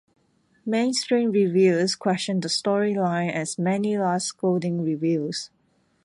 Mainstream reviews questioned the story line as many last scolding reviews.